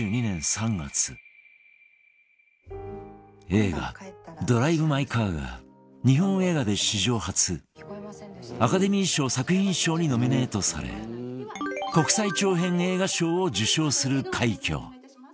映画『ドライブ・マイ・カー』が日本映画で史上初アカデミー賞作品賞にノミネートされ国際長編映画賞を受賞する快挙